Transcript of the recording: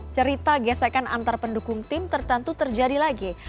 cerita gesekan antar pendukung tim tertentu terjadi lagi